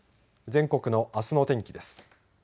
全国のあすの天気です。